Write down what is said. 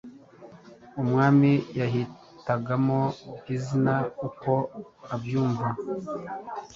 Umwami yahitagamo izina uko abyumva,